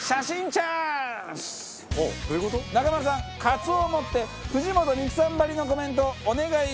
カツオを持って藤本美貴さんばりのコメントお願いします。